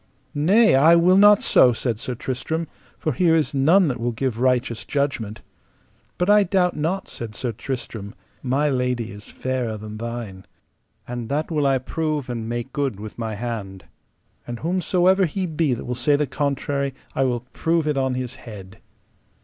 Nay, I will not so, said Sir Tristram, for here is none that will give righteous judgment. But I doubt not, said Sir Tristram, my lady is fairer than thine, and that will I prove and make good with my hand. And whosomever he be that will say the contrary I will prove it on his head.